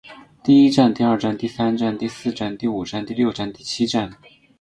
第一战第二战第三战第四战第五战第六战第七战